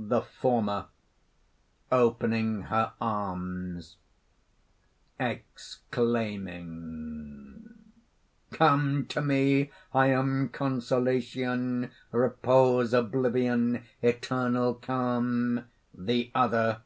_) THE FORMER (opening her arms, exclaiming): "Come to me! I am Consolation, repose, oblivion, eternal calm!" THE OTHER.